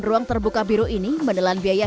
ruang terbuka biru ini menelan biaya